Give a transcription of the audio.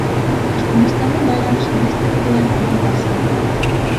Түркмөнстандын Байланыш министрлигинин командасы.